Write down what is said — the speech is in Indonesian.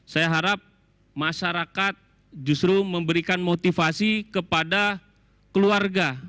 saya harap masyarakat justru memberikan motivasi kepada keluarga